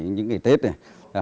những cái tết này